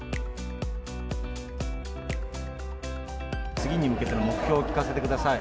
次に向けての目標を聞かせてください。